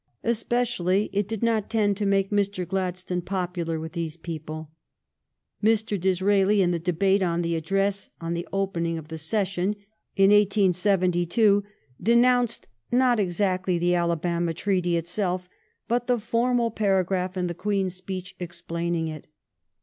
Especially it did not tend to make Mr. Gladstone popular with these people. Mr. Dis raeli, in the debate on the address on the opening of the session in 1872, denounced, not exactly THE ALABAMA QUESTION 297 the Alabama treaty itself, but the formal para graph in the Queen's speech explaining it.